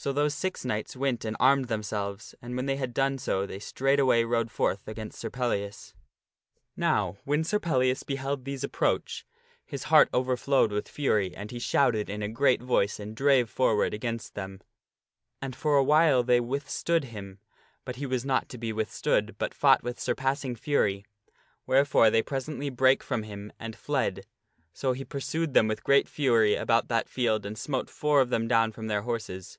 So those six knights went and armed themselves, and when they had done so they straightway rode forth against Sir Pellias. S7JS PELLIAS SUFFERS SHAME 237 Now, when Sir Pellias beheld these approach, his heart overflowed with fury and he shouted in a great voice and drave forward against them. And for a while they withstood him, but 'he was not to be sir Pellias withstood, but fought with surpassing fury, wherefore they overcometh six presently brake from before him and fled. So he pursued s ' them with great fury about that field and smote four of them down from their horses.